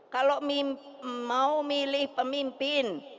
kalau mau milih pemimpin